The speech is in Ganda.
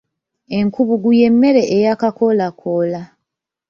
Enkubuggu y’emmere eyaakakoolakoola.